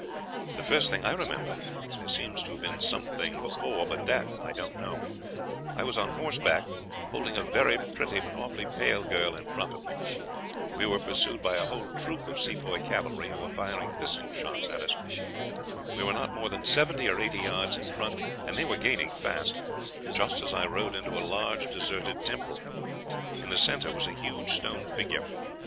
The first thing I remember there seems to have been some thing before, but what, I don't know I was on horseback, holding a very pretty but awfully pale girl in front of me. We were pursued by a whole troop of Sepoy cavalry, who were firing pistol shots at us. We were not more than seventy or eighty yards in front, and they were gaining fast, just as I rode into a large deserted temple. In the center was a huge stone figure.